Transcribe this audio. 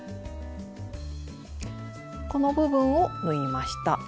この部分を縫いました。